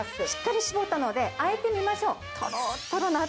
しっかり絞ったので和えてみましょう。